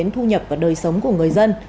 thu nhập và đời sống của người dân